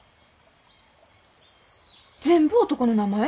全部男の名前？